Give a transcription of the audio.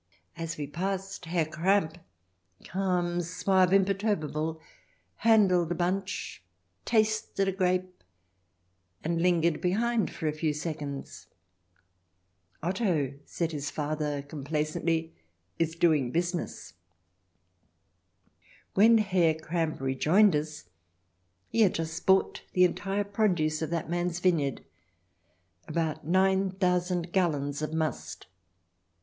As we passed, Herr Kramp, calm, suave, imperturbable, handled a bunch, tasted a grape, and lingered behind for a few seconds. ... "Otto," said his father complacently, "is doing business." When Herr Kramp rejoined us he had just bought the entire produce of that man's vineyard — about nine thousand gallons of must.